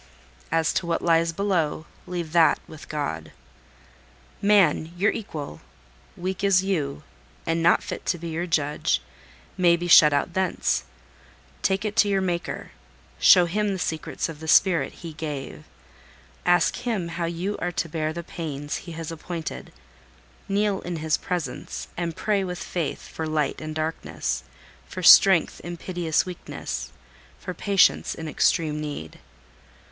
As to what lies below, leave that with God. Man, your equal, weak as you, and not fit to be your judge, may be shut out thence: take it to your Maker—show Him the secrets of the spirit He gave—ask Him how you are to bear the pains He has appointed—kneel in His presence, and pray with faith for light in darkness, for strength in piteous weakness, for patience in extreme need.